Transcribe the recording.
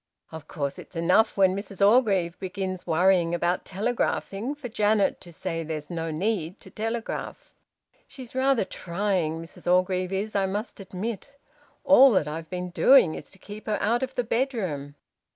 Of course it's enough when Mrs Orgreave begins worrying about telegraphing for Janet to say there's no need to telegraph. She's rather trying, Mrs Orgreave is, I must admit. All that I've been doing is to keep her out of the bedroom.